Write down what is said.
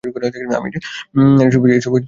আমি আর এসবে জড়াতে চাইনা।